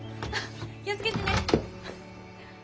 気を付けてね。